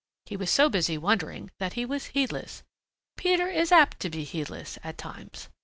He was so busy wondering that he was heedless. Peter is apt to be heedless at times.